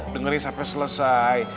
dengerin sampai selesai